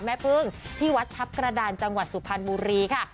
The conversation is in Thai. แม่พึ่งที่วัดทัพกระดานจังหวัดสุพรรณบุรีค่ะ